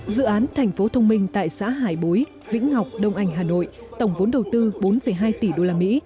dự án thành phố thông minh tại xã hải bối vĩnh ngọc đông anh hà nội tổng vốn đầu tư bốn hai tỷ đô la mỹ